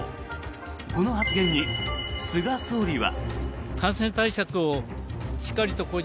この発言に、菅総理は。